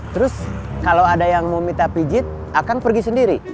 terus kalau ada yang mau minta pijit akan pergi sendiri